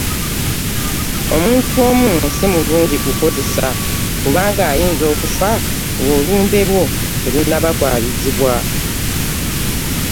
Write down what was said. Omuntu omu si mulungi kukozesa kubanga ayinza okufa ng’olumbe lwo terunnaba kwabizibwa.